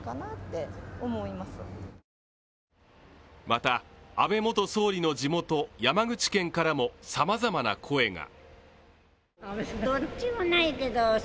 また、安倍元総理の地元山口県からも、さまざまな声が。